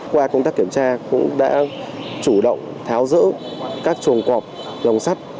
qua công tác kiểm tra cũng đã chủ động tháo giữ các chuồng cọp lòng sắt